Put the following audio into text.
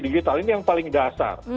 digital ini yang paling dasar